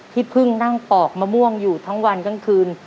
ที่เพิ่งนั่งปอกมะม่วงอยู่ทั้งวันทั้งคืน